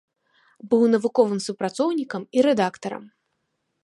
Быў навуковым супрацоўнікам і рэдактарам.